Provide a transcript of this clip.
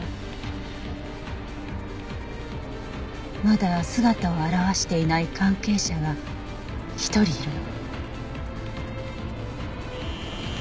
まだ姿を現していない関係者が１人いるの。